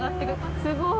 すごい。